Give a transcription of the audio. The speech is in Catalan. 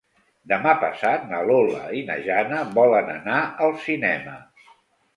Demà passat na Lola i na Jana volen anar al cinema.